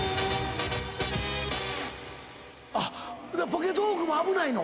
ポケトークも危ないの？